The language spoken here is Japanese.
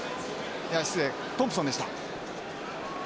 いや失礼トンプソンでした。